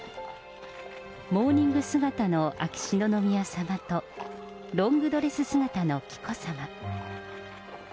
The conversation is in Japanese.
モーニング姿の秋篠宮さまと、ロングドレス姿の紀子さま。